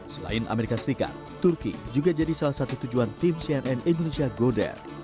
selain amerika serikat turki juga jadi salah satu tujuan tim cnn indonesia goder